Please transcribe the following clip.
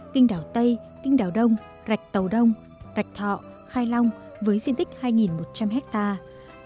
kinh đảo tây kinh đảo đông rạch tàu đông rạch thọ khai long với diện tích hai một trăm linh hectare